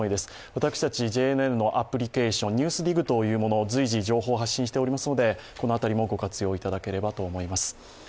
私たち、ＪＮＮのアプリケーション、「ＮＥＷＳＤＩＧ」というもの、随時情報を発信しておりますのでこの辺りもご活用いただければと思います。